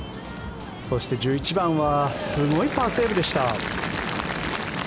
そして、１１番はすごいパーセーブでした。